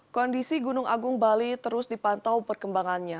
kondisi gunung agung bali terus dipantau perkembangannya